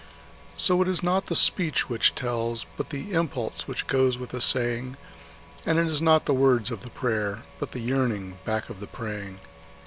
So it is not the speech which tells, but the impulse which goes with the saying; And it is not the words of the prayer, but the yearning back of the praying.